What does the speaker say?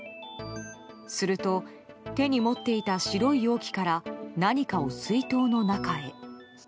すると手に持っていた白い容器から何かを水筒の中へ。